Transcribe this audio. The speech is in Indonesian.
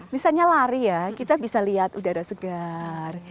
misalnya lari ya kita bisa lihat udara segar